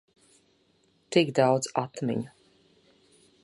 Tik daudz atmiņu.